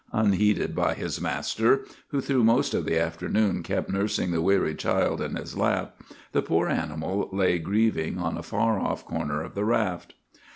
Unheeded by his master, who through most of the afternoon kept nursing the wearied child in his lap, the poor animal lay grieving on a far off corner of the raft.